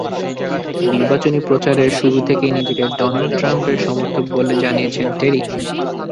নির্বাচনী প্রচারের শুরু থেকেই নিজেকে ডোনাল্ড ট্রাম্পের সমর্থক বলে জানিয়েছেন টেরি।